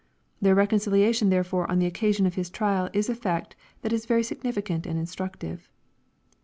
Their reconciliation therefore on the occasion of Hi^ trial, is a fact that is very significant and instructive.